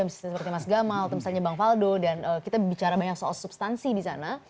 misalnya seperti mas gamal atau misalnya bang faldo dan kita bicara banyak soal substansi di sana